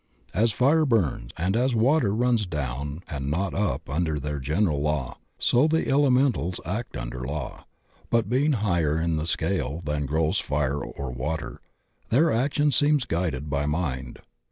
As fire burns and as water runs down and not up imder their general law, so the elementals act under law, but SHELLS OF THE DEAD CLASSIFIED 105 being higher in the scale than gross fire or water their action seems guided by mind.